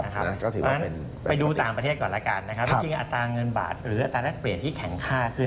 ไปดูต่างประเทศก่อนละกันจริงอัตราเงินบาทหรืออัตราแรกเวรที่แข็งค่าขึ้น